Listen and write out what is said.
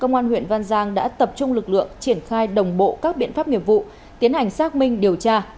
công an huyện văn giang đã tập trung lực lượng triển khai đồng bộ các biện pháp nghiệp vụ tiến hành xác minh điều tra